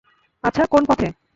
আচ্ছা, কোন পথে?